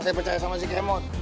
saya percaya sama si ghe mon